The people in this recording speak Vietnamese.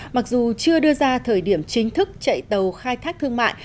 mặc dù chưa đưa ra thời điểm chính thức chạy tàu khai thác thương mại